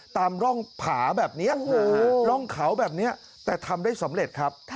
ตามร่องผาแบบนี้ร่องเขาแบบนี้แต่ทำได้สำเร็จครับ